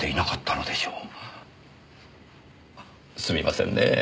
すみませんねぇ。